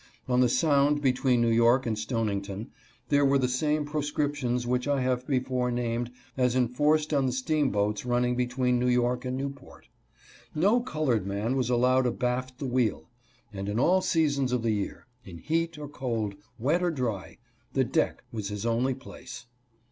On the Sound between New York and Stonington, there were the same proscriptions which I have before named as enforced on the steamboats running between New York and Newport. No colored man was allowed abaft the wheel, and in all seasons of the year, in heat or cold, wet or dry, the deck was his only place.